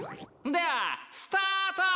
ではスタート！